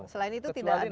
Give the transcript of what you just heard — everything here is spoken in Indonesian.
selain itu tidak ada